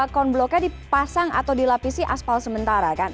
conbloknya dipasang atau dilapisi aspal sementara kan